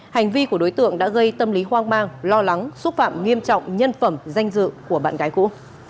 hành vi của đối tượng đã gây tâm lý hoang mang lo lắng xúc phạm nghiêm trọng nhân phẩm danh dự của bạn gái cũ